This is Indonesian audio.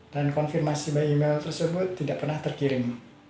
dan konfirmasi dari email tersebut tidak pernah terkirim